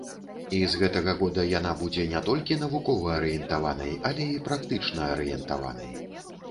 І з гэтага года яна будзе не толькі навукова арыентаванай, але і практычна арыентаванай.